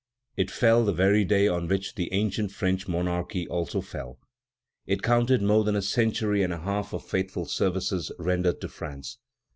It fell the very day on which the ancient French monarchy also fell. It counted more than a century and a half of faithful services rendered to France.